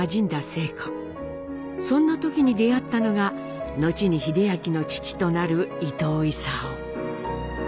そんな時に出会ったのが後に英明の父となる伊藤勲。